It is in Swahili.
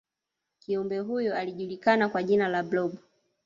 kiumbe huyo alijulikana kwa jina la blob